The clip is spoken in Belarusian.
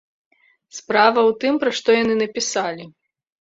Справа ў тым, пра што яны напісалі.